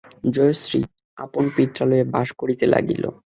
জয়শ্রী আপন পিত্রালয়ে বাস করিতে লাগিল।